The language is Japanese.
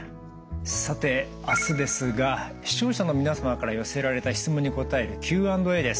さて明日ですが視聴者の皆様から寄せられた質問に答えるＱ＆Ａです。